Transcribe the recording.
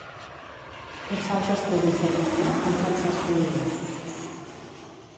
Cursà els estudis d'harmonia amb Francesc Oliver.